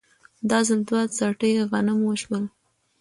دا ځل دوه څټې غنم وشول